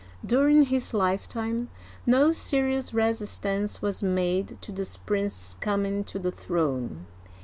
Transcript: during his lifetime, no seri ous resistance was made to this prince's coming to the throne.